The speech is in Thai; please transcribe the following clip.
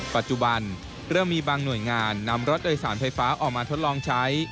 ปัจจุบันเริ่มมีบางหน่วยงานนำรถโดยสารไฟฟ้าออกมาทดลองใช้